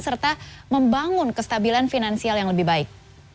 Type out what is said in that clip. serta membangun kestabilan finansial yang lebih baik